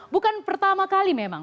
bukan pertama kali memang